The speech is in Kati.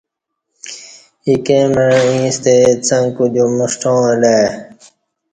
ایکے مع ییݩستہ څݣ کودیوم ݜٹاں اہ لہ ای